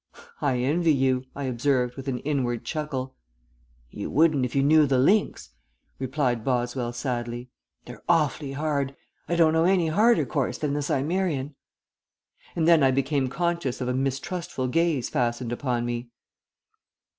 "I envy you," I observed, with an inward chuckle. "You wouldn't if you knew the links," replied Boswell, sadly. "They're awfully hard. I don't know any harder course than the Cimmerian." And then I became conscious of a mistrustful gaze fastened upon me.